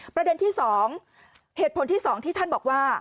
ประเด็นที่๒เหตุผลที่๒ที่ท่านบอกว่า